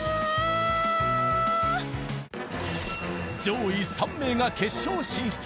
上位３名が決勝進出。